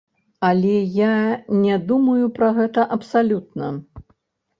Але я не думаю пра гэта абсалютна.